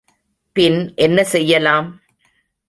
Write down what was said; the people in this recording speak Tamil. பின் என்ன செய்யலாம்?